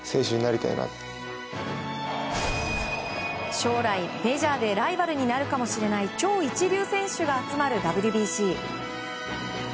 将来、メジャーでライバルになるかもしれない超一流選手が集まるＷＢＣ。